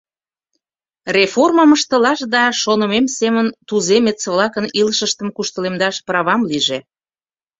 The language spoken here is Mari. Реформым ыштылаш да шонымем семын туземец-влакын илышыштым куштылемдаш правам лийже.